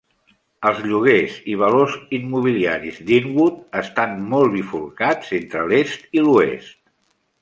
Els lloguers i valors immobiliaris d'Inwood estan molt bifurcats entre l'est i l'oest.